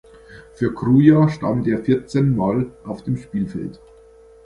Für Kruja stand er vierzehnmal auf dem Spielfeld.